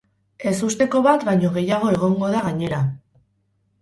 Ezusteko bat baino gehiago egongo da gainera.